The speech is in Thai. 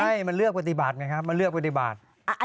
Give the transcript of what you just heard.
ใช่มันเลือกกฎิบาทไงครับมันเลือกกฎิบาท